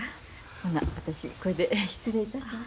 ほな私これで失礼いたします。